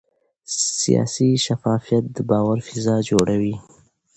سیاسي شفافیت د باور فضا جوړوي